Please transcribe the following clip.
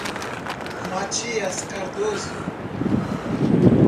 Matias Cardoso